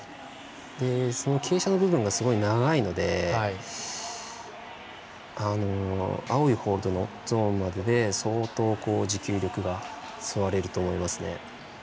その傾斜の部分がすごい長いので青い方のゾーンまでで相当、持久力が吸われると思います。